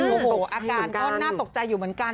ตกอาการก็น่าตกใจอยู่เหมือนกัน